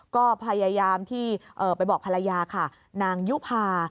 ก็พยายามที่ไปบอกภรรยาค่ะนางยุภา